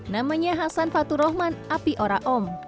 namanya hasan fatur rahman api ora om